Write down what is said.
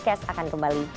kes akan kembali